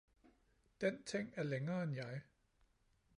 Den ting er længere end jeg